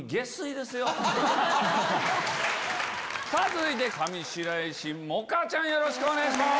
続いて上白石萌歌ちゃんよろしくお願いします。